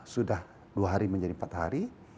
sudah dua hari menjadi empat hari